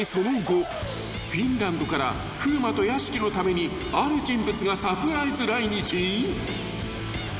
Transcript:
［フィンランドから風磨と屋敷のためにある人物がサプライズ来日？］